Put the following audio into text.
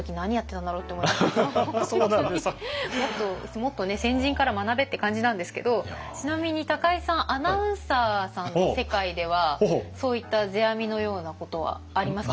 もっと先人から学べって感じなんですけどちなみに高井さんアナウンサーさんの世界ではそういった世阿弥のようなことはありますか？